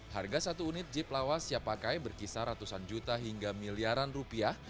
harga satu unit jeep lawas siap pakai berkisar ratusan juta hingga miliaran rupiah